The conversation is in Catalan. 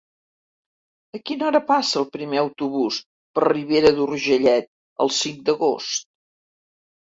A quina hora passa el primer autobús per Ribera d'Urgellet el cinc d'agost?